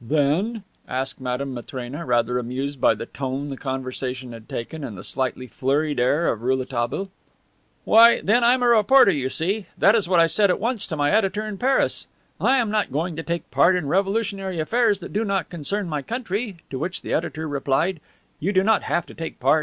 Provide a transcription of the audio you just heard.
"Then?" asked Madame Matrena, rather amused by the tone the conversation had taken and the slightly flurried air of Rouletabille. "Why, then, I am a reporter, you see. That is what I said at once to my editor in Paris, 'I am not going to take part in revolutionary affairs that do not concern my country,' to which my editor replied, 'You do not have to take part.